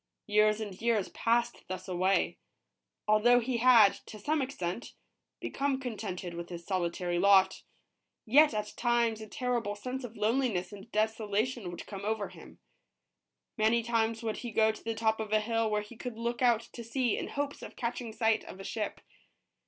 Years and years passed thus away. Although he had, to some extent, become contented with his solitary lot, yet at times a terrible sense of loneliness and desolation would come over him. Many times would he go to the top of a hill where he could look out to sea in hopes of catching sight of a ship.